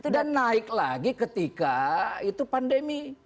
dan naik lagi ketika itu pandemi